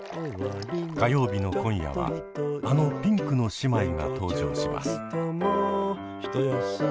火曜日の今夜はあのピンクの姉妹が登場します。